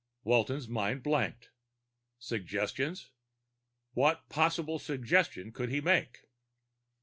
Walton's mind blanked. Suggestions? What possible suggestion could he make?